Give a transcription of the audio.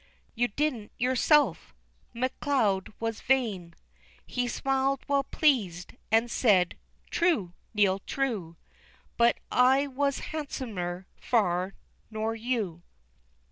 You didn't yourself " MacLeod was vain, He smiled well pleased, and said, "True, Neil, true, But I was handsomer far nor you!